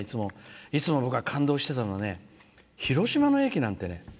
いつも僕は感動してたのは広島の駅なんてね